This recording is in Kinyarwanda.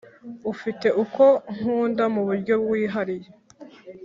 ufite uko nkunda mu uburyo wihariye